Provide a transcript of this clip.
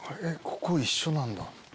ここ一緒なんだ。